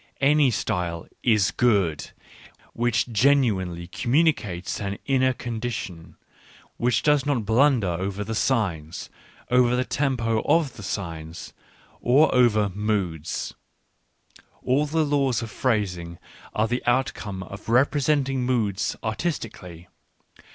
Any style is good which genuinely communicates an inner condition, which does not blunder over the signs, over the tempo of the signs, or over moods — all the laws of phrasing are the outcome of representing moods artistically.